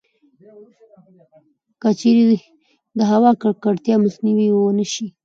کـچـېرې د هوا کـکړتيا مخنيـوی يـې ونـه شـي٫